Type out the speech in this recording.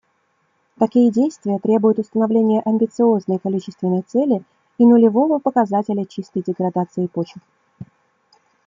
Такие действия требуют установления амбициозной количественной цели и нулевого показателя чистой деградации почв.